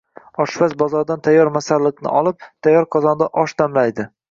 Oshpaz bozordan tayyor masalliq olib, tayyor qozonda osh damlaydi.